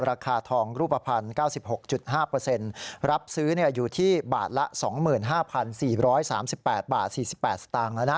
ราคาทองรูปภัณฑ์๙๖๕รับซื้ออยู่ที่บาทละ๒๕๔๓๘บาท๔๘สตางค์แล้วนะ